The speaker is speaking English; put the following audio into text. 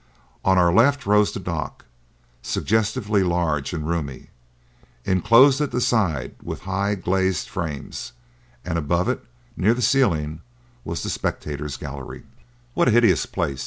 On our left rose the dock suggestively large and roomy enclosed at the sides with high glazed frames; and above it, near the ceiling, was the spectators' gallery. "What a hideous place!"